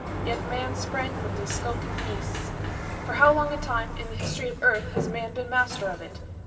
Yet man sprang from these skulking beasts. "For how long a time in the history of earth has man been master of it?